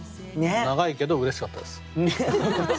長いけどうれしかったです。